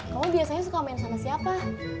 kamu biasanya suka main sama siapa